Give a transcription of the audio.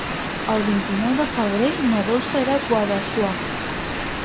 El vint-i-nou de febrer na Dolça irà a Guadassuar.